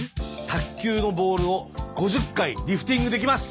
卓球のボールを５０回リフティングできます。